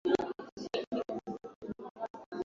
marafiki zake walimshawishi akubali kuajiriwa kwenye titanic